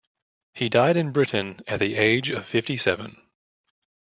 He died in Britain at the age of fifty-seven.